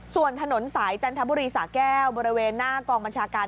ส่วนถนนสายจันทบุรีสาแก้วบริเวณหน้ากองบัญชาการ